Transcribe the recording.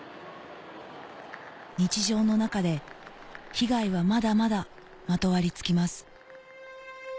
日常の中で被害はまだまだまとわり付きます